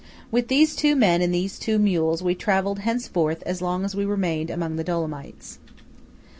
With these two men and these two mules, we travelled henceforth as long as we remained among the Dolomites.